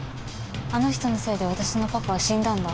あの人のせいで私のパパは死んだんだ。